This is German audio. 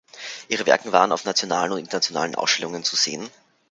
Ihre Werke waren auf nationalen und internationalen Ausstellungen zu sehen.